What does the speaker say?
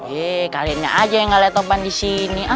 eh kalian aja yang gak lihat taufan di sini ah